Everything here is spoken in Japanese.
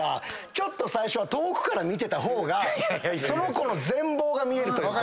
ちょっと最初は遠くから見てた方がその子の全貌が見えるというか。